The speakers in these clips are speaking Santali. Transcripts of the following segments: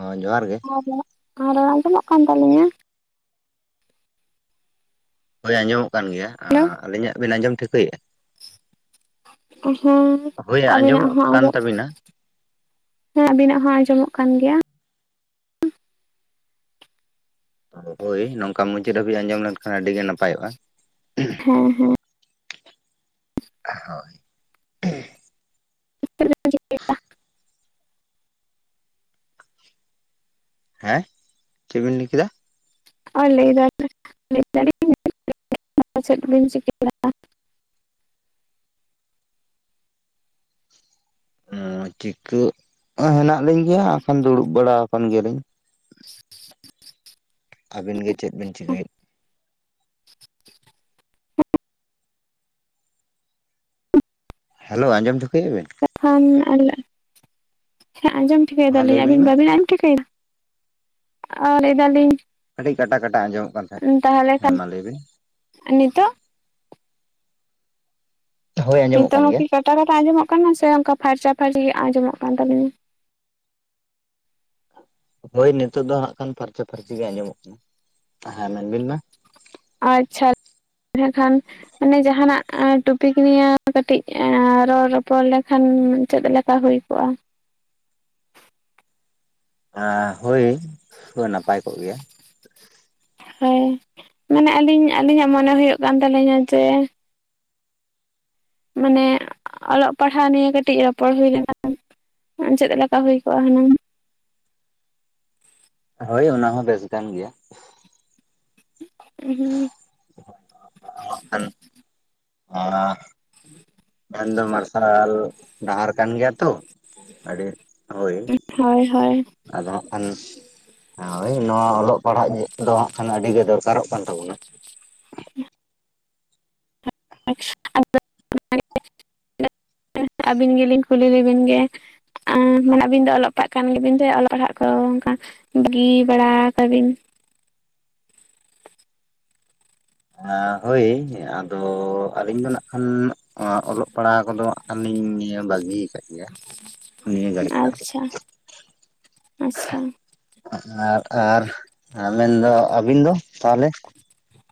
ᱦᱚᱸ ᱡᱚᱦᱟᱨ ᱜᱮ, ᱟᱨ ᱟᱨᱚᱲ ᱟᱸᱡᱚᱢᱚᱜ ᱠᱟᱱ ᱛᱟᱞᱤᱧᱟ? ᱦᱳᱭ ᱟᱸᱡᱚᱢᱚᱜ ᱠᱟᱱ ᱜᱮᱭᱟ᱾ ᱦᱮᱞᱳ ᱟᱹᱞᱤᱧᱟᱜ ᱵᱤᱱ ᱟᱸᱡᱚᱢ ᱴᱷᱤᱠᱟᱹᱭ ᱮᱫᱟ? ᱦᱩᱸ ᱦᱳᱭ ᱟᱹᱵᱤᱱᱟᱜ ᱟᱸᱡᱚᱢᱚᱜ ᱦᱚᱸ ᱠᱟᱱ ᱟᱡᱚᱢ ᱛᱟᱵᱤᱱᱟ ᱦᱮᱸ ᱟᱵᱤᱱᱟᱜ ᱦᱚᱸ ᱟᱸᱡᱚᱢᱚᱜ ᱠᱟᱱ ᱜᱮᱭᱟ᱾ ᱦᱳᱭ ᱱᱚᱝᱠᱟ ᱢᱩᱪᱟᱫᱽ ᱦᱟᱹᱵᱤᱡ ᱟᱸᱡᱚᱢ ᱞᱮᱱᱠᱷᱟᱱ ᱟᱹᱰᱤ ᱜᱮ ᱱᱟᱯᱟᱭᱚᱜᱼᱟ᱾ ᱦᱮᱸ ᱦᱮᱸ ᱦᱳᱭ [unintelligible] ᱦᱮᱸ ᱪᱮᱫ ᱵᱤᱱ ᱞᱟᱹᱭ ᱠᱮᱫᱟ? ᱚ ᱞᱟᱹᱭ ᱫᱟᱞᱤᱧ [unintelligible] ᱪᱮᱫ ᱵᱤᱱ ᱪᱤᱠᱟᱹᱭ ᱮᱫᱟ? ᱚ ᱪᱤᱠᱟᱹᱜ ᱦᱮᱱᱟᱜ ᱞᱤᱧ ᱜᱮᱭᱟ ᱟᱠᱷᱟᱱ ᱫᱩᱲᱩᱵ ᱵᱟᱲᱟ ᱟᱠᱟᱱ ᱜᱮᱭᱟᱞᱤᱧ᱾ ᱟᱵᱤᱱ ᱜᱮ ᱪᱮᱫ ᱵᱤᱱ ᱪᱤᱠᱟᱹᱭᱮᱫ? ᱦᱮᱞᱳ ᱟᱸᱡᱚᱢ ᱴᱷᱤᱠᱟᱹ ᱮᱫᱟ ᱵᱮᱱ? ᱛᱚᱠᱷᱟᱱ [unintelligible] ᱟᱸᱡᱚᱢ ᱴᱷᱤᱠᱟᱹᱭ ᱦᱮᱸ ᱫᱟᱞᱤᱧ ᱞᱟᱹᱭ ᱵᱤᱱ ᱟᱹᱵᱤᱱ ᱢᱟ ᱵᱟᱹᱵᱤᱱ ᱟᱡᱡᱚᱢ ᱴᱷᱤᱠᱟᱹᱭᱟ? ᱚ ᱞᱟᱹᱭ ᱫᱟᱞᱤᱧ ᱟᱰᱤ ᱠᱟᱴᱟ ᱠᱟᱴᱟ ᱟᱸᱡᱚᱢᱚᱜ ᱠᱟᱱ᱾ ᱛᱟᱦᱮᱸᱫ ᱛᱟᱦᱚᱞᱮ ᱦᱮᱸ ᱠᱷᱟᱱ ᱢᱟ ᱞᱟᱹᱭ ᱵᱤᱱ ᱱᱤᱛᱚᱜ? ᱦᱳᱭ ᱟᱸᱡᱚᱢᱚᱜ ᱱᱤᱛᱚᱜ ᱠᱟᱱ ᱦᱚᱸ ᱜᱮᱭᱟ ᱠᱤ ᱠᱟᱴᱟ ᱠᱟᱴᱟ ᱟᱸᱡᱚᱢᱚᱜ ᱠᱟᱱᱟ ᱥᱮ ᱚᱱᱠᱟ ᱯᱷᱟᱨᱪᱟ ᱯᱷᱟᱨᱪᱤ ᱟᱸᱡᱚᱢᱚᱜ ᱠᱟᱱ ᱛᱟᱹᱞᱤᱧᱟ? ᱦᱳᱭ ᱱᱤᱛᱚᱜ ᱫᱚ ᱱᱟᱜ ᱠᱷᱟᱱ ᱯᱷᱟᱨᱪᱟ ᱯᱷᱟᱨᱪᱤ ᱜᱮ ᱟᱸᱡᱚᱢᱚᱜ ᱠᱟᱱᱟ᱾ ᱦᱮᱸ ᱢᱮᱱᱵᱤᱱ ᱢᱟ? ᱟᱪᱪᱷᱟ ᱮᱱᱮ ᱠᱷᱟᱱ ᱢᱟᱱᱮ ᱡᱟᱦᱱᱟᱜ ᱴᱩᱚᱯᱤᱠ ᱱᱤᱭᱮ ᱠᱟᱹᱴᱤᱡ ᱨᱚᱲ ᱨᱚᱯᱚᱲ ᱞᱮᱠᱷᱟᱱ ᱪᱮᱫ ᱞᱮᱠᱟ ᱦᱩᱭ ᱠᱚᱜᱼᱟ? ᱦᱳᱭ ᱱᱟᱯᱟᱭ ᱠᱚᱜ ᱜᱮᱭᱟ᱾ ᱦᱳᱭ ᱢᱟᱱᱮ ᱟᱹᱞᱤᱧ ᱟᱹᱞᱤᱧᱟᱜ ᱢᱚᱱᱮ ᱦᱩᱭᱩᱜ ᱠᱟᱱ ᱛᱟᱹᱞᱤᱧᱟ ᱡᱮ ᱢᱟᱱᱮ ᱚᱞᱚᱜ ᱯᱟᱲᱦᱟᱣ ᱱᱤᱭᱮ ᱠᱟᱹᱴᱤᱡ ᱨᱚᱯᱚᱲ ᱦᱩᱭ ᱞᱮᱱᱠᱷᱟᱱ ᱪᱮᱫ ᱞᱮᱠᱟ ᱦᱩᱭ ᱠᱚᱜᱼᱟ ᱦᱩᱱᱟᱹᱝ? ᱦᱳᱭ ᱚᱱᱟ ᱦᱚᱸ ᱵᱮᱥ ᱜᱟᱱ ᱜᱮᱭᱟ᱾ ᱦᱮᱸ [unintelligible] [unintelligible] [inaudible] ᱢᱮᱱ ᱫᱚ ᱢᱟᱨᱥᱟᱞ ᱰᱟᱦᱟᱨ ᱠᱟᱱ ᱜᱮᱭᱟ ᱛᱚ ᱟᱹᱰᱤ ᱦᱳᱭ ᱦᱳᱭ ᱦᱳᱭ ᱟᱫᱚ ᱦᱟᱸᱜ ᱠᱷᱚᱱ ᱦᱳᱭ ᱱᱚᱣᱟ ᱚᱞᱚᱜ ᱯᱟᱲᱦᱟᱜ ᱫᱚ ᱦᱟᱸᱜ ᱠᱷᱟᱱ ᱟᱹᱰᱤ ᱜᱮ ᱫᱚᱨᱠᱟᱨᱚᱜ ᱠᱟᱱ ᱛᱟᱵᱚᱱᱟ᱾ [unintelligible] ᱟᱹᱵᱤᱱ ᱜᱮᱞᱤᱧ ᱠᱩᱞᱤ ᱞᱮᱵᱤᱱ ᱜᱮ ᱢᱟᱱᱮ ᱟᱵᱤᱱ ᱫᱚ ᱚᱞᱚᱜ ᱯᱟᱲᱦᱟᱜ ᱠᱟᱱ ᱜᱮᱵᱤᱱ ᱫᱚ ᱚᱞᱚᱜ ᱯᱟᱲᱦᱟᱜ ᱠᱚ ᱚᱱᱠᱟ ᱵᱟᱹᱜᱤ ᱵᱟᱲᱟ ᱠᱟᱵᱤᱱ? ᱦᱳᱭ ᱟᱫᱚ ᱟᱹᱞᱤᱧ ᱫᱚ ᱱᱟᱜ ᱠᱷᱟᱱ ᱚᱞᱚᱜ ᱯᱟᱲᱦᱟᱜ ᱠᱚᱫᱚ ᱦᱟᱸᱜ ᱠᱷᱟᱱ ᱞᱤᱧ ᱵᱟᱹᱜᱤᱭ ᱟᱠᱟᱫ ᱜᱮᱭᱟ ᱱᱤᱭᱟᱹ ᱜᱷᱟᱹᱲ ᱟᱪᱪᱷᱟ ᱟᱪᱪᱷᱟ [unintelligible] ᱟᱨ ᱟᱨ ᱢᱮᱱᱫᱚ ᱟᱹᱵᱤᱱ ᱫᱚ ᱛᱟᱦᱚᱞᱮ? [inaudible]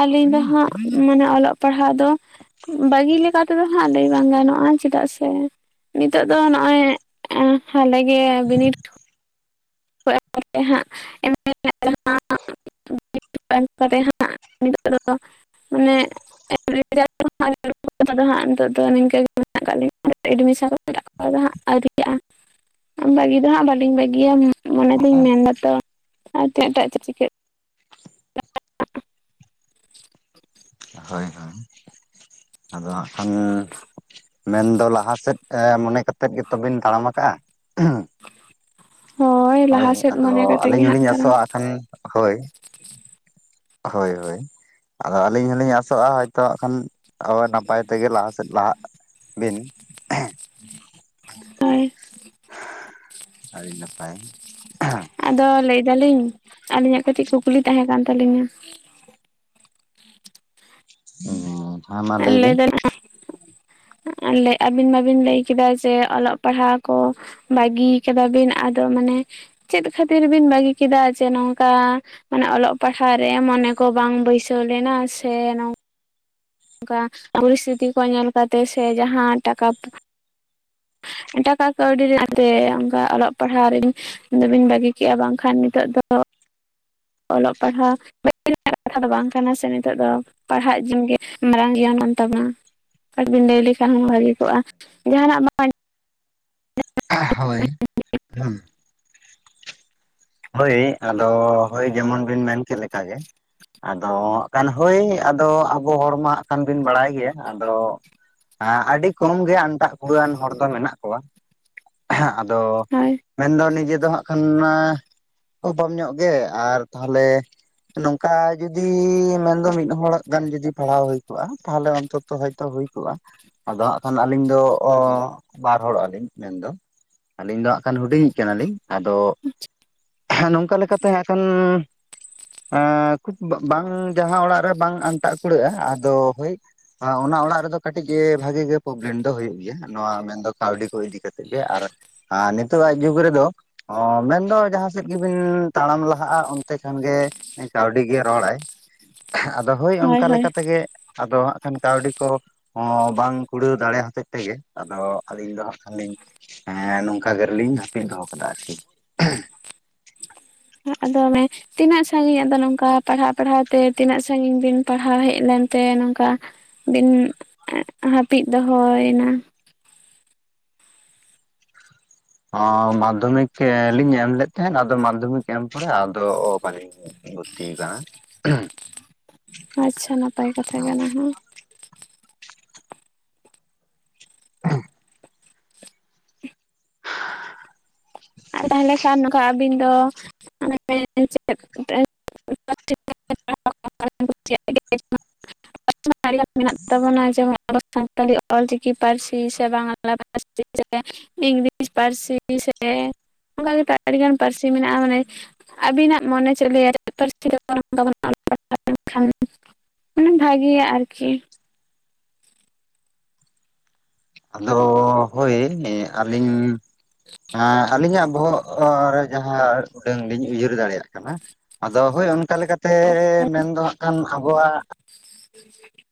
ᱟᱹᱞᱤᱧ ᱫᱚ ᱦᱟᱸᱜ ᱢᱟᱱᱮ ᱚᱞᱚᱜ ᱯᱟᱲᱦᱟᱜ ᱫᱚ ᱵᱟᱹᱜᱤ ᱞᱮᱠᱟ ᱛᱮᱫᱚ ᱦᱟᱸᱜ ᱞᱟᱹᱭ ᱵᱟᱝ ᱜᱟᱱᱚᱜᱼᱟ ᱪᱮᱫᱟᱜ ᱥᱮ ᱱᱤᱛᱚᱜ ᱫᱚ ᱱᱚᱜ-ᱚᱭ ᱮ ᱦᱟᱞᱮ ᱜᱮ ᱵᱤᱱᱤᱰ [inaudible] [inaudible] [inaudible] ᱦᱟᱸᱜ ᱱᱤᱛᱚᱜ ᱫᱚ ᱟᱱᱮ [inaudible] ᱱᱤᱛᱚᱜ ᱫᱚ ᱱᱤᱝᱠᱟᱹ ᱜᱮ ᱢᱮᱱᱟᱜ ᱟᱠᱟᱫ ᱞᱤᱧ ᱾ ᱮᱰᱢᱤᱥᱚᱱ [inaudible] ᱟᱹᱣᱨᱤᱜᱼᱟ ᱵᱟᱹᱜᱤ ᱫᱚ ᱦᱟᱸᱜ ᱵᱟᱹᱞᱤᱧ ᱵᱟᱹᱜᱤᱭᱟ ᱾ ᱢᱚᱱᱮᱞᱤᱧ ᱦᱳᱭ ᱢᱮᱱ ᱫᱟᱛᱚ ᱟᱨ ᱛᱤᱱᱟᱹᱜ ᱴᱟᱜ ᱪᱮᱜ ᱪᱤᱠᱟᱹᱜ ᱾ [inaudible] ᱦᱳᱭ ᱦᱳᱭ ᱟᱫᱚ ᱦᱟᱸᱜ ᱠᱷᱟᱱ ᱾ ᱢᱮᱱᱫᱚ ᱞᱟᱦᱟ ᱥᱮᱫ ᱮ ᱢᱚᱱᱮ ᱠᱟᱛᱮᱜ ᱜᱮᱛᱚᱵᱤᱱ ᱛᱟᱲᱟᱢᱟ ᱠᱟᱜᱼᱟ [inaudible] ᱦᱳᱭ ᱞᱟᱦᱟ ᱥᱮᱫ ᱟᱫᱚ ᱢᱚᱱᱮ ᱠᱟᱛᱮ ᱜᱮ ᱟᱹᱞᱤᱧ ᱦᱟᱸᱜ ᱦᱚᱞᱤᱧ ᱛᱟᱨᱟᱢ ᱟᱥᱚᱜᱼᱟ ᱾ ᱠᱷᱟᱱ ᱦᱳᱭ, ᱦᱳᱭ ᱦᱳᱭ, ᱟᱫᱚ ᱟᱹᱞᱤᱧ ᱦᱚᱞᱤᱧ ᱟᱥᱚᱜᱼᱟ ᱦᱚᱭᱛᱳ ᱟᱜ ᱠᱷᱟᱱ ᱟᱵᱟᱭ ᱱᱟᱯᱟᱭ ᱛᱮᱜᱮ ᱞᱟᱦᱟ ᱥᱮᱫ ᱞᱟᱦᱟᱜ ᱾ ᱵᱤᱱ [inaudible] ᱛᱟᱭ, [inaudible] ᱟᱹᱰᱤ ᱱᱟᱯᱟᱭ [inaudible] ᱟᱫᱚ ᱞᱟᱹᱭᱫᱟᱞᱤᱧ ᱟᱹᱞᱤᱧᱟᱜ ᱠᱟᱹᱴᱤᱡ ᱠᱩᱠᱞᱤ ᱛᱟᱦᱮᱸ ᱠᱟᱱ ᱛᱟᱹᱞᱤᱧᱟ? ᱚ [inaudible] [inaudible] ᱟᱞᱮ ᱟᱹᱵᱤᱱ ᱢᱟᱵᱤᱱ ᱞᱟᱹᱭᱠᱟᱫᱟ ᱡᱮ ᱚᱞᱚᱜ ᱯᱟᱲᱦᱟᱜ ᱠᱚ ᱾ ᱵᱟᱹᱜᱤ ᱠᱟᱫᱟ ᱵᱤᱱ ᱟᱫᱚ ᱢᱟᱱᱮ ᱪᱮᱫ ᱠᱷᱟᱹᱛᱤᱨ ᱵᱤᱱ ᱵᱟᱹᱜᱤ ᱠᱮᱫᱟ ᱡᱮ ᱱᱚᱝᱠᱟ ᱢᱟᱱᱮ ᱚᱞᱚᱜ ᱯᱟᱲᱦᱟᱜ ᱨᱮ ᱢᱚᱱᱮ ᱠᱚ ᱵᱟᱝ ᱵᱟᱹᱭᱥᱟᱹᱣ ᱞᱮᱱᱟ ᱥᱮ ᱱᱚᱝ ᱠᱟ ᱯᱚᱨᱤᱥᱛᱷᱤᱛᱤ ᱠᱚ ᱧᱮᱞ ᱠᱟᱛᱮ ᱥᱮ ᱡᱟᱦᱟᱸ ᱴᱟᱠᱟ ᱴᱟᱠᱟ ᱠᱟᱹᱣᱰᱤ ᱟᱛᱮ ᱚᱝᱠᱟ ᱚᱞᱚᱜ ᱯᱟᱲᱦᱟᱜ ᱨᱤᱧ ᱾ ᱫᱚ ᱵᱤᱱ ᱵᱟᱹᱜᱤ ᱠᱮᱫᱼᱟ ᱵᱟᱝᱠᱷᱟᱱ ᱱᱤᱛᱚᱜ ᱫᱚ ᱚᱞᱚᱜ ᱯᱟᱲᱦᱟ [inaudible] ᱵᱟᱝ ᱠᱟᱱᱟ ᱥᱮ ᱱᱤᱛᱚᱜ ᱫᱚ ᱯᱟᱲᱦᱟᱜ ᱡᱤᱢ ᱜᱮ ᱢᱟᱨᱟᱝ ᱜᱤᱭᱟᱱ ᱠᱟᱱ ᱛᱟᱵᱚᱱᱟ ᱾ [inaudible] ᱵᱤᱱ ᱞᱟᱹᱭ ᱞᱮᱠᱷᱟᱱ ᱦᱚᱸ ᱵᱷᱟᱜᱮ ᱠᱚᱜᱼᱟ ᱡᱟᱦᱟᱱᱟᱜ ᱵᱟᱝ [inaudible] ᱦᱳᱭ ᱦᱩᱢ ᱦᱳᱭ ᱟᱫᱚ ᱦᱳᱭ ᱡᱮᱢᱚᱱ ᱵᱤᱱ ᱢᱮᱱ ᱠᱤ ᱞᱮᱠᱟ ᱜᱮ ᱾ ᱟᱫᱚ ᱟᱜ ᱠᱟᱱ ᱦᱳᱭ ᱟᱫᱚ ᱟᱵᱚ ᱦᱚᱲ ᱢᱟ ᱦᱟᱸᱜ ᱠᱷᱟᱱ ᱵᱤᱱ ᱵᱟᱲᱟᱭ ᱜᱤᱭᱟ ᱟᱫᱚ ᱟᱸ ᱟᱹᱰᱤ ᱠᱚᱢ ᱜᱮ ᱟᱱᱴᱟᱜ ᱠᱩᱲᱟᱹᱣᱟᱱ ᱦᱚᱲ ᱫᱚ ᱢᱮᱱᱟᱜ ᱠᱚᱣᱟ [inaudible] ᱟᱫ ᱟᱫᱚ ᱦᱳᱭ ᱢᱮᱱᱫᱚ ᱱᱤᱡᱮ ᱫᱚ ᱦᱟᱸᱜ ᱠᱷᱟᱱ ᱱᱟ ᱚᱵᱷᱟᱵ ᱧᱚᱜ ᱜᱮ ᱟᱨ ᱛᱟᱦᱟᱞᱮ ᱱᱚᱝᱠᱟ ᱡᱩᱫᱤ ᱢᱮᱱᱫᱚ ᱢᱤᱫ ᱦᱚᱲᱟᱜ ᱜᱟᱱ ᱡᱩᱫᱤ ᱯᱟᱲᱟᱣ ᱦᱩᱭ ᱠᱚᱜᱼᱟ ᱛᱟᱦᱚᱞᱮ ᱚᱱᱛᱚ ᱛᱚ ᱦᱚᱭᱛᱳ ᱦᱩᱭ ᱠᱚᱜᱼᱟ ᱟᱫᱚ ᱦᱟᱸᱜ ᱠᱷᱟᱱ ᱟᱹᱞᱤᱧ ᱫᱚ ᱵᱟᱨ ᱦᱚᱲᱚᱜ ᱟᱹᱞᱤᱧ ᱢᱮᱱᱫᱚ ᱾ ᱟᱹᱞᱤᱧ ᱫᱚ ᱦᱟᱸᱜ ᱠᱷᱟᱱ ᱦᱩᱰᱤᱧᱤᱡ ᱠᱟᱱᱟᱞᱤᱧ ᱟᱫᱚ ᱦᱮᱸ ᱱᱚᱝᱠᱟ ᱞᱮᱠᱟᱛᱮ ᱦᱮᱸ ᱠᱷᱟᱱ ᱮᱸ ᱠᱷᱩᱵ ᱵᱟᱝ ᱡᱟᱦᱟᱸ ᱚᱲᱟᱜ ᱨᱮ ᱵᱟᱝ ᱟᱱᱴᱟᱜ ᱠᱩᱲᱟᱹᱜᱼᱟ ᱟᱫᱚ ᱦᱩᱭ [inaudible] ᱚᱱᱟ ᱚᱲᱟᱜ ᱨᱮᱫᱚ ᱠᱟᱹᱴᱤᱡ ᱜᱮ ᱵᱷᱟᱜᱤ ᱜᱮ ᱯᱨᱚᱵᱞᱮᱢ ᱫᱚ ᱦᱩᱭᱩᱜ ᱜᱮᱭᱟ ᱱᱚᱣᱟ ᱢᱮᱱᱫᱚ ᱠᱟᱹᱣᱰᱤ ᱠᱚ ᱤᱫᱤ ᱠᱟᱛᱮᱫ ᱜᱮ ᱟᱨ ᱟᱸ ᱱᱤᱛᱚᱜᱟᱜ ᱡᱩᱜᱽ ᱨᱮᱫᱚ ᱚᱸ ᱢᱮᱱᱫᱚ ᱡᱟᱦᱟᱸ ᱪᱮᱫ ᱜᱮᱵᱤᱱ ᱛᱟᱲᱟᱢ ᱞᱟᱦᱟᱜᱼᱟ ᱚᱱᱛᱮ ᱠᱷᱟᱱ ᱜᱮ ᱠᱟᱹᱣᱰᱤ ᱜᱮ ᱨᱚᱲᱟᱭ ᱾ [inaudible] ᱟᱫᱚ ᱦᱳᱭ ᱚᱱᱠᱟ ᱞᱮᱠᱟ ᱛᱮᱜᱮ ᱟᱫᱚ ᱦᱟᱸᱜ ᱠᱷᱟᱱ ᱠᱟᱹᱣᱰᱤ ᱠᱚ ᱾ ᱦᱚᱸ ᱵᱟᱝ ᱠᱩᱲᱟᱹᱣ ᱫᱟᱲᱮ ᱦᱚᱛᱮᱫ ᱛᱮᱜᱮ ᱟᱫᱚ ᱟᱹᱞᱤᱧ ᱫᱚ ᱦᱟᱸᱜ ᱠᱷᱟᱱᱞᱤᱧ ᱦᱮᱸ ᱱᱚᱝᱠᱟ ᱜᱮ ᱨᱮᱞᱤᱧ ᱦᱟᱯᱤᱫ ᱫᱚᱦᱚ ᱠᱟᱫᱟ ᱟᱨᱠᱤ᱾ ᱟᱫᱚ [unintelligible] ᱛᱤᱱᱟᱹᱜ ᱥᱟᱺᱜᱤᱧ ᱟᱫᱚ ᱱᱚᱝᱠᱟ ᱯᱟᱲᱦᱟᱣ ᱯᱟᱲᱦᱟᱣ ᱛᱮ ᱛᱤᱱᱟᱹᱜ ᱥᱟᱺᱜᱤᱧ ᱵᱤᱱ ᱯᱟᱲᱦᱟᱣ ᱦᱮᱜ ᱞᱮᱱᱛᱮ ᱱᱚᱝᱠᱟ ᱵᱤᱱ ᱦᱟᱹᱯᱤᱫ ᱫᱚᱦᱚᱭ ᱮᱱᱟ? ᱚᱸ ᱢᱟᱫᱽᱫᱷᱚᱢᱤᱠ ᱮᱸ ᱞᱤᱧ ᱮᱢᱞᱮᱫ ᱛᱟᱦᱮᱸᱱ ᱟᱫᱚ ᱢᱟᱫᱽᱫᱷᱚᱢᱤᱠ ᱮᱢ ᱯᱚᱨᱮ ᱟᱫᱚ [unintelligible] ᱵᱷᱩᱨᱛᱤ ᱠᱟᱱᱟ᱾ ᱟᱪᱪᱷᱟ ᱱᱟᱯᱟᱭ ᱠᱟᱛᱷᱟ ᱠᱟᱱᱟ ᱦᱚᱸ᱾ ᱟᱨ ᱛᱟᱦᱚᱞᱮ ᱠᱷᱟᱱ ᱱᱚᱠᱟ ᱟᱹᱵᱤᱱ ᱫᱚ [unintelligible] [unintelligible] ᱢᱮᱱᱟᱜ ᱛᱟᱵᱚᱱᱟ ᱡᱮᱢᱚᱱ ᱟᱵᱚ ᱥᱟᱱᱛᱟᱲᱤ ᱚᱞᱪᱤᱠᱤ ᱯᱟᱹᱨᱥᱤ ᱥᱮ ᱵᱟᱝᱞᱟ ᱯᱟᱹᱨᱥᱤ ᱥᱮ ᱤᱝᱞᱤᱥ ᱯᱟᱹᱨᱥᱤ ᱥᱮ ᱚᱱᱠᱟ ᱜᱮ ᱟᱹᱰᱤᱜᱟᱱ ᱯᱟᱹᱨᱥᱤ ᱢᱮᱱᱟᱜᱼᱟ ᱢᱟᱱᱮ ᱟᱹᱵᱤᱱᱟᱜ ᱢᱚᱱᱮ ᱪᱮᱫ ᱞᱟᱹᱭᱟ [unintelligible] ᱢᱟᱱᱮ ᱵᱷᱟᱜᱤᱭᱟ ᱟᱨᱠᱤ᱾ ᱟᱫᱚ ᱦᱳᱭ ᱱᱤᱭᱮ ᱟᱹᱞᱤᱧ ᱦᱮᱸ ᱟᱹᱞᱤᱧᱟᱜ ᱵᱚᱦᱚᱜ ᱨᱮ ᱡᱟᱦᱟᱸ ᱩᱰᱟᱹᱝ ᱞᱤᱧ ᱩᱭᱦᱟᱹᱨ ᱫᱟᱲᱮᱭᱟᱜ ᱠᱟᱱᱟ ᱟᱫᱚ ᱦᱳᱭ ᱚᱱᱠᱟ ᱞᱮᱠᱟᱛᱮ ᱢᱮᱱᱫᱚ ᱦᱟᱸᱜ ᱠᱷᱟᱱ ᱟᱵᱚᱣᱟᱜ [inaudible]